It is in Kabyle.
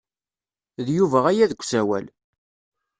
D Yuba aya deg usawal.